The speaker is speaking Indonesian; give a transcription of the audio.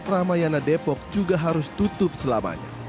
ramayana depok juga harus tutup selamanya